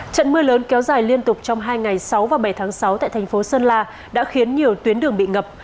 trận mưa lớn kéo dài liên tục trong hai ngày sáu và bảy tháng sáu tại thành phố sơn la đã khiến nhiều tuyến đường bị ngập